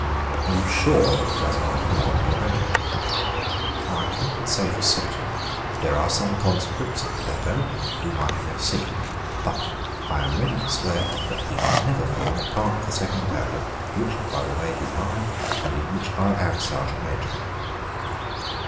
"Are you sure that he does not belong to your regiment?" "I can not say for certain: there are some conscripts at the Depot whom I have never seen. But I am ready to swear that he had never formed part of the 2d battalion which, by the way, is mine, and in which I am sergeant major."